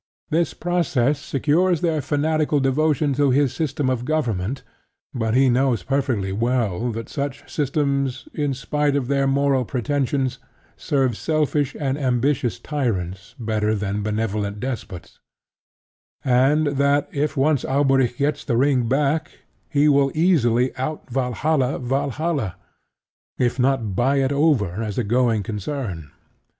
This process secures their fanatical devotion to his system of government, but he knows perfectly well that such systems, in spite of their moral pretensions, serve selfish and ambitious tyrants better than benevolent despots, and that, if once Alberic gets the ring back, he will easily out Valhalla Valhalla, if not buy it over as a going concern.